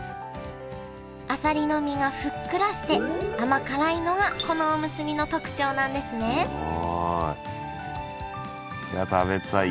あさりの身がふっくらして甘辛いのがこのおむすびの特徴なんですねいや食べたい。